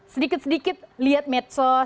sedikit sedikit lihat medsos